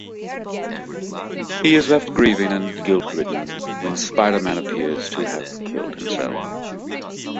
He is left grieving and guilt-ridden when Spider-Man appears to have killed himself.